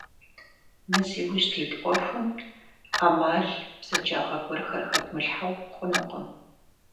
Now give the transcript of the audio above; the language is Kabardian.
Мы зи ужь дит Ӏуэхум Ӏэмал, бзэджагъэ гуэрхэр хэдмылъхьэу хъунукъым.